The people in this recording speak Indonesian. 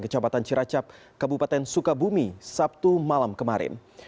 kecamatan ciracap kabupaten sukabumi sabtu malam kemarin